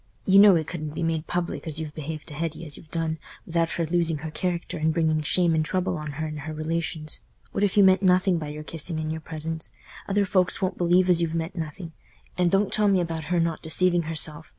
You know it couldn't be made public as you've behaved to Hetty as y' have done without her losing her character and bringing shame and trouble on her and her relations. What if you meant nothing by your kissing and your presents? Other folks won't believe as you've meant nothing; and don't tell me about her not deceiving herself.